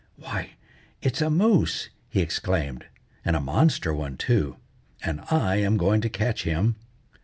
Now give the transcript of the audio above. "Why, it's a moose!" he exclaimed; "and a monster one, too. And I'm going to catch him."